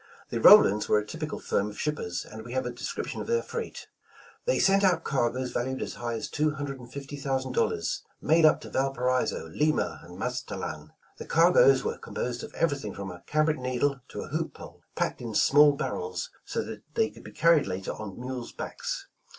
The Rowlands were a typical firm of shippers and we have a description of their freight: "They sent out cargoes valued as high 141 The Original John Jacob Astor as two hundred and fifty thousand dollars, made up to Valparaiso, Lima and Mazatlan. The cargoes were composed of everything from a cambric needle to a hoop pole, packed in small barrels so they could be car ried later on mules' backs.